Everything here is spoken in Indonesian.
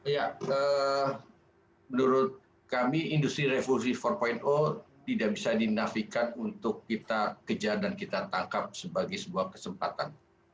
ya menurut kami industri revolusi empat tidak bisa dinafikan untuk kita kejar dan kita tangkap sebagai sebuah kesempatan